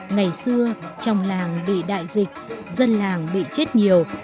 ngày xưa trong làng bị đại dịch dân làng bị chết nhiều